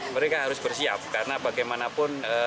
mereka harus bersiap karena bagaimanapun